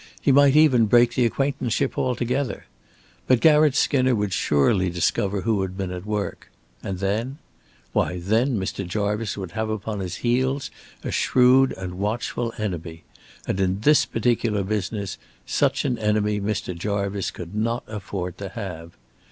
He might even break the acquaintanceship altogether. But Garratt Skinner would surely discover who had been at work. And then? Why, then, Mr. Jarvice would have upon his heels a shrewd and watchful enemy; and in this particular business, such an enemy Mr. Jarvice could not afford to have.